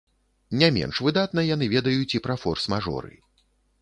Не менш выдатна яны ведаюць і пра форс-мажоры.